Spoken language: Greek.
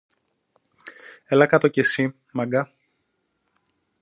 Έλα κάτω και συ, Μάγκα.